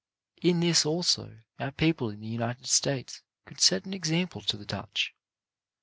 In this, also, our people in the United States could set an example to the Dutch.